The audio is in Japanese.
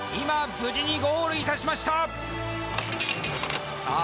無事にゴールいたしましたさあ